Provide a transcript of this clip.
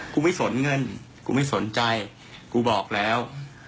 กูไม่สนเงินกูไม่สนใจกูบอกแล้ว